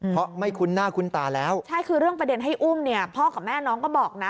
เพราะไม่คุ้นหน้าคุ้นตาแล้วใช่คือเรื่องประเด็นให้อุ้มเนี่ยพ่อกับแม่น้องก็บอกนะ